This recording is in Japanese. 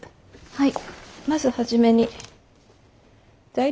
はい。